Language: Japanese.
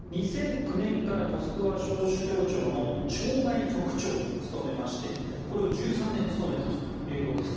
２００９年からモスクワ総主教庁の渉外局長を務めましてこれを１３年務めたということです。